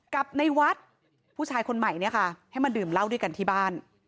กับในวัดผู้ชายคนใหม่เนี่ยค่ะให้มาดื่มเหล้าด้วยกันที่บ้าน